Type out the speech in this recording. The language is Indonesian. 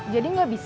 jadi gak bisa